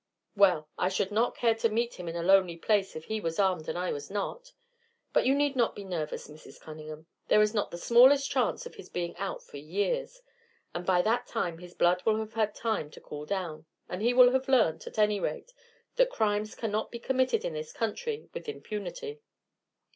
"Well, I should not care to meet him in a lonely place if he was armed and I was not. But you need not be nervous, Mrs. Cunningham, there is not the smallest chance of his being out for years; and by that time his blood will have had time to cool down, and he will have learnt, at any rate, that crimes cannot be committed in this country with impunity."